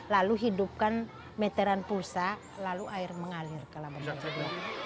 lalu hidupkan meteran pulsa lalu air mengalir ke labuhan bajo dua